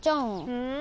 うん？